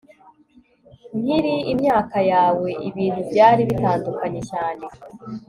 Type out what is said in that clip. Nkiri imyaka yawe ibintu byari bitandukanye cyane